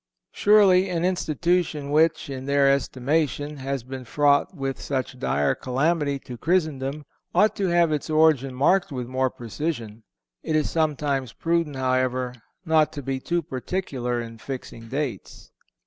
Surely, an institution which, in their estimation, has been fraught with such dire calamity to Christendom, ought to have its origin marked with more precision. It is sometimes prudent, however, not to be too particular in fixing dates.